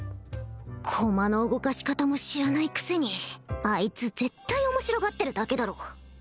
駒の動かし方も知らないくせにあいつ絶対面白がってるだけだろ